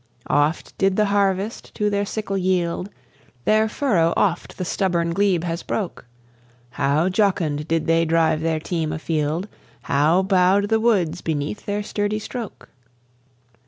Oft did the harvest to their sickle yield, Their furrow oft the stubborn glebe has broke; How jocund did they drive their team afield! How bow'd the woods beneath their sturdy stroke!